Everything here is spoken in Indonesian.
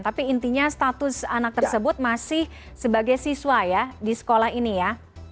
tapi intinya status anak tersebut masih sebagai siswa ya di sekolah ini ya